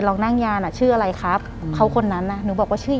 หลังจากนั้นเราไม่ได้คุยกันนะคะเดินเข้าบ้านอืม